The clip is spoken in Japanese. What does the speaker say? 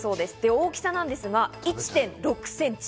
大きさなんですが１．６センチ。